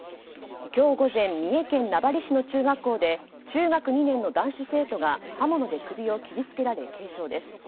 今日午前三重県名張市の中学校で中学２年の男子生徒が刃物で首を切り付けられ軽傷です。